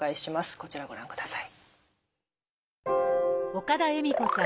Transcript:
こちらご覧ください。